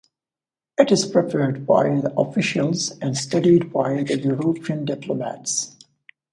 It is preferred by the officials and studied by the European diplomats.